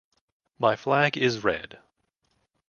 My flag is red.